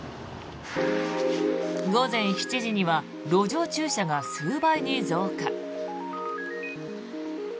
午前７時には路上駐車が数倍に増加。